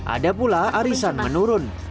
ada pula arisan menurun